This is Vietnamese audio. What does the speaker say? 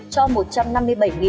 cho một trăm năm mươi bảy đồng